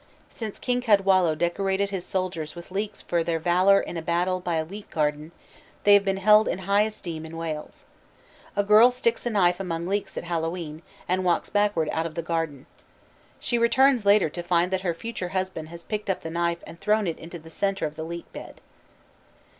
Since King Cadwallo decorated his soldiers with leeks for their valor in a battle by a leek garden, they have been held in high esteem in Wales. A girl sticks a knife among leeks at Hallowe'en, and walks backward out of the garden. She returns later to find that her future husband has picked up the knife and thrown it into the center of the leek bed.